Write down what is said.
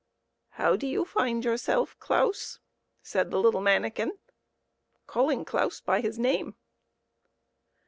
" How do you find yourself, Claus ?" said the little manikin, calling Claus by his name.